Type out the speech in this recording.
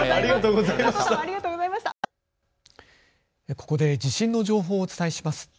ここで地震の情報をお伝えします。